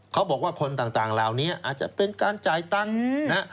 เขาบอกว่าคนต่างเหล่านี้อาจจะเป็นการจ่ายตังค์นะ